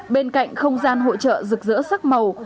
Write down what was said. bên cạnh không gian hội trợ rực rỡ sắc màu